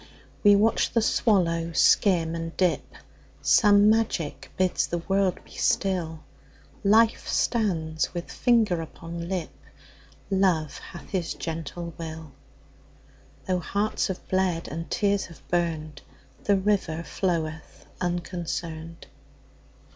We watch the swallow skim and dip; Some magic bids the world be still; Life stands with finger upon lip; Love hath his gentle will; Though hearts have bled, and tears have burned, The river floweth unconcerned.